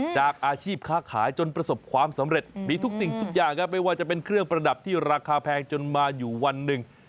จากอาชีพค้าขายจนประสบความสำเร็จมีทุกสิ่งทุกอย่างครับไม่ว่าจะเป็นเครื่องประดับที่ราคาแพงจนมาอยู่วันหนึ่ง